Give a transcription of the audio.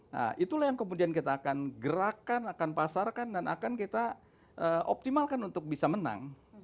nah itulah yang kemudian kita akan gerakan akan pasarkan dan akan kita optimalkan untuk bisa menang